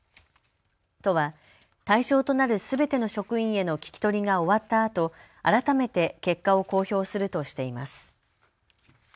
都は対象となるすべての職員への聞き取りが終わったあと、改めて結果を公表するとしています。